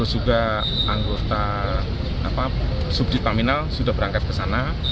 juga anggota subdipaminal sudah berangkat ke sana